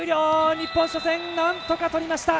日本、初戦、なんとかとりました。